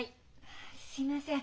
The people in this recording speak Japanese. すみません。